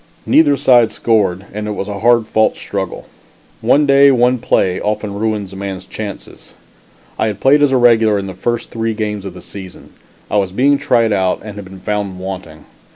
Neither side scored and it was a hard fought struggle. One day, one play, often ruins a man's chances. I had played as a regular in the first three games of the season. I was being tried out and had been found wanting.